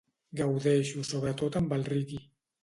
Gaudeixo sobretot amb el reggae.